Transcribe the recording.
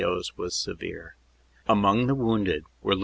O s was severe. Among the wounded were Lt.